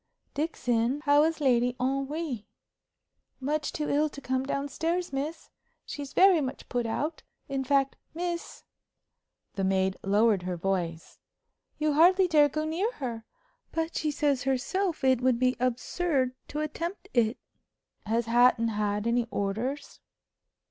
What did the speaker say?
"Dixon, how is Lady Henry?" "Much too ill to come down stairs, miss. She's very much put out; in fact, miss (the maid lowered her voice), you hardly dare go near her. But she says herself it would be absurd to attempt it." "Has Hatton had any orders?"